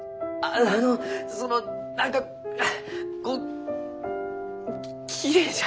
あのその何かああこうきれいじゃ。